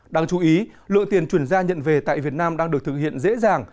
đáng chú ý lượng tiền chuyển ra nhận về tại việt nam đang được thực hiện dễ dàng